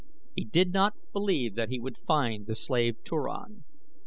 He did not believe that he would find the slave Turan.